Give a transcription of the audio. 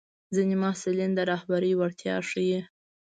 ځینې محصلین د رهبرۍ وړتیا ښيي.